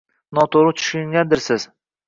Noto`g`ri tushungandirsiz